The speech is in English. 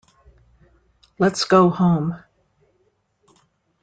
Let's go home.